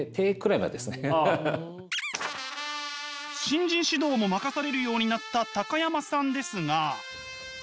新人指導も任されるようになった高山さんですが。